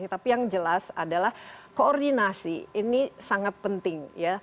tapi yang jelas adalah koordinasi ini sangat penting ya